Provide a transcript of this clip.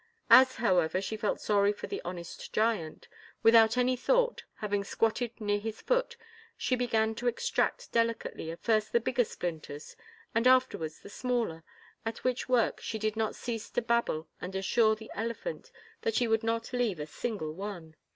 As, however, she felt sorry for the honest giant, without any thought, having squatted near his foot, she began to extract delicately at first the bigger splinters and afterwards the smaller, at which work she did not cease to babble and assure the elephant that she would not leave a single one.